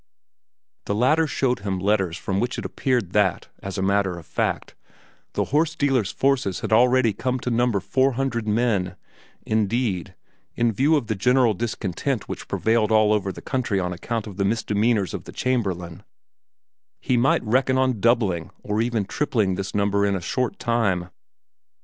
The latter showed him letters from which it appeared that, as a matter of fact, the horse dealer's forces had already come to number four hundred men; indeed, in view of the general discontent which prevailed all over the country on account of the misdemeanors of the Chamberlain, he might reckon on doubling or even tripling this number in a short time.